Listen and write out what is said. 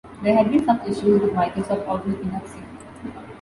There had been some issues with Microsoft Outlook indexing.